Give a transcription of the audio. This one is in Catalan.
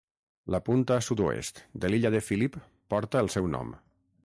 La punta sud-oest de l'illa de Phillip porta el seu nom.